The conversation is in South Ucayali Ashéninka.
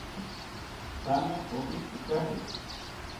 Thame owite caje